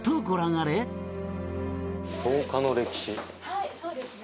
はいそうですね。